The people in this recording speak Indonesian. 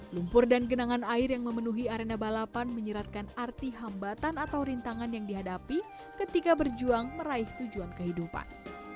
lumpur dan genangan air yang memenuhi arena balapan menyeratkan arti hambatan atau rintangan yang dihadapi ketika berjuang meraih tujuan kehidupan